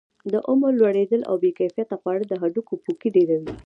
د عمر لوړېدل او بې کیفیته خواړه د هډوکو پوکي ډیروي.